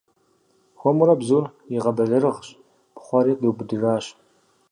Хуэмурэ бзур игъэбэлэрыгъщ, пхъуэри, къиубыдащ.